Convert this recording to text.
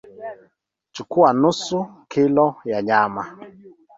Chukua nusu kilo ya nyama